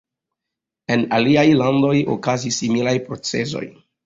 En aliaj landoj okazis similaj procesoj.